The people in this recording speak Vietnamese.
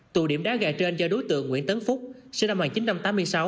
tụ điểm đá gà trên do đối tượng nguyễn tấn phúc sinh năm một nghìn chín trăm tám mươi sáu